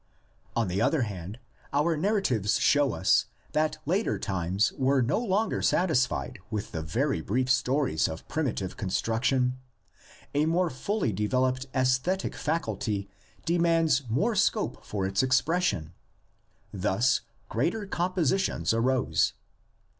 On the other hand, our narratives show us that later times were no longer satisfied with the very brief stories of primitive construction; a more fully developed aesthetic faculty demands more scope for its expression. Thus greater compositions arose.